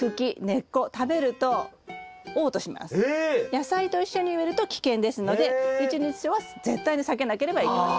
野菜と一緒に植えると危険ですのでニチニチソウは絶対に避けなければいけない。